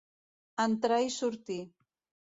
Entrar i sortir.